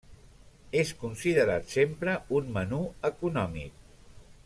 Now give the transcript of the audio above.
És considerat sempre un menú econòmic.